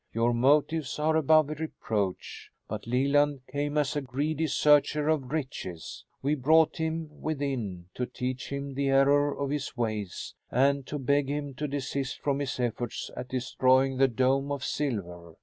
Your motives are above reproach. But Leland came as a greedy searcher of riches. We brought him within to teach him the error of his ways and to beg him to desist from his efforts at destroying the dome of silver.